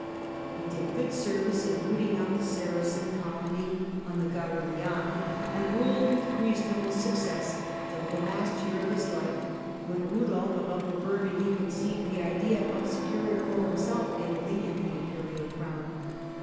He did good service in rooting out the Saracen colony on the Garigliano, and ruled with reasonable success till the last year of his life, when Rudolph of Upper Burgundy conceived the idea of securing for himself Italy and the Imperial crown.